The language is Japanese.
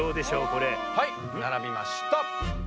これ。はいならびました！